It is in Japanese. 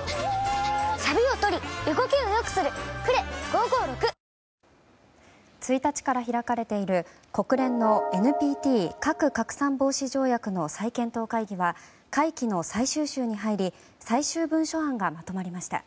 今川選手の１日から開かれている国連のＮＰＴ・核拡散防止条約の再検討会議は会期の最終週に入り最終文書案がまとまりました。